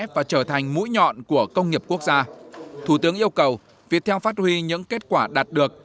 và trở thành mũi nhọn của công nghiệp quốc gia thủ tướng yêu cầu viettel phát huy những kết quả đạt được